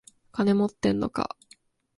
金持ってんのか？